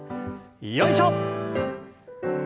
よいしょ！